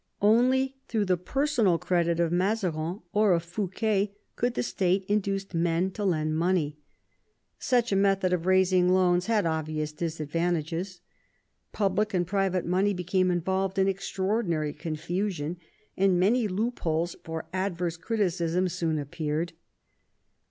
Only through the personal credit of Mazarin or of Fouquet could the State induce men to lend money. Such a method of 106 MAZARIN chap. raising loans had obvious disadvantages. Public and private money became involved in extraordinary con fusion, and many loopholes for adverse criticism soon appeared.